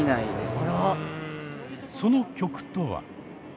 その曲とは。